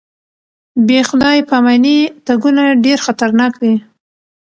بې خدای پاماني تګونه ډېر خطرناک دي.